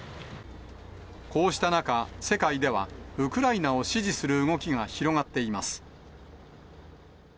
こうした中、世界では、ウクライナを支持する動きが広がっています。